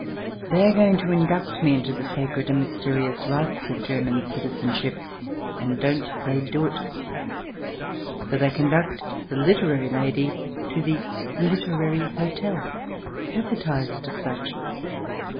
They are going to induct me into the sacred and mysterious rites of German citizenship. And don't they do it ! For they conduct the literary lady to the Literary Hotel, advertised as such.